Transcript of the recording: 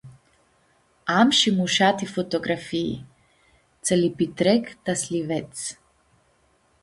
Am shi mushati fotografii, tsã li-pitrec ta s-li vedz.